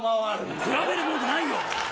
比べるもんじゃないよ！